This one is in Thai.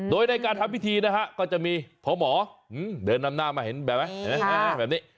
โดยในการทำพิธีนะฮะก็จะมีพอหมอเดินนำหน้ามาเห็นแบบไหมแบบนี้